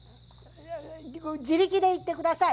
自力で言ってください。